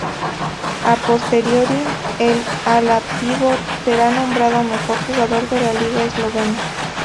A posteriori, el ala-pívot sería nombrado mejor jugador de la liga eslovena.